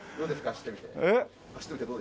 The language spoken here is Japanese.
走ってみてどう。